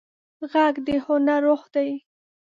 غږ د هنر روح دی